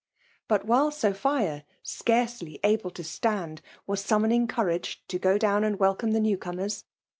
But while Sophia^ scarcely able to stand, was summoning courage to go down and welcome the new comers.